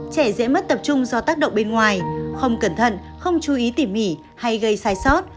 trẻ dễ mất tập trung do tác động bên ngoài không cẩn thận không chú ý tỉ mỉ hay gây sai sót